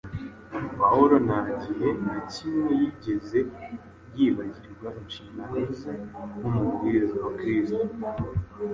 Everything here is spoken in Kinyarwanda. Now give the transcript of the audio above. Pawulo nta gihe na kimwe yigeze yibagirwa inshingano ze nk’umubwiriza wa Kristo.